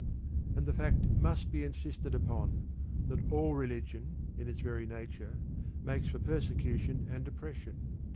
And the fact must be insisted upon, that all religion, in its very nature, makes for persecution and oppression.